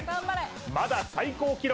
まだ最高記録